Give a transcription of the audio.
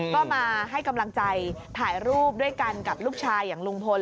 ก็มาให้กำลังใจถ่ายรูปด้วยกันกับลูกชายอย่างลุงพล